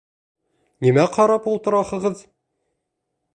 Нимә ҡарап ултыраһығыҙ?